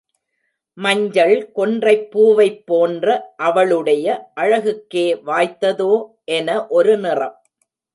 மஞ்சள் கொன்றைப் பூவைப்போன்ற அவளுடைய அழகுக்கே வாய்த்ததோ என ஒரு நிறம்.